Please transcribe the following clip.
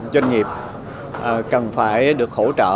doanh nghiệp cần phải được hỗ trợ